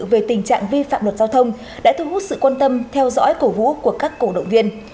về tình trạng vi phạm luật giao thông đã thu hút sự quan tâm theo dõi cổ vũ của các cổ động viên